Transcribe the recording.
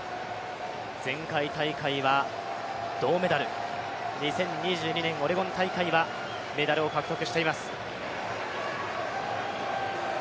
前回大会は銅メダル、２０２２年オレゴン大会はメダルを獲得しています。